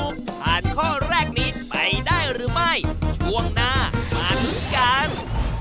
อุปกรณ์ออกกำลังกายแบบไหนราคาถูกที่สุด